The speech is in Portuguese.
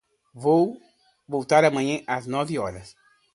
Vou voltar amanhã às nove horas.